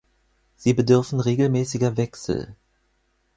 Sie bedürfen regelmäßiger Wechsel.